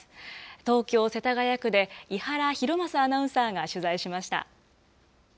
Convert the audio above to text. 東京・世田谷区で、伊原弘将アナウンサーが取材しました。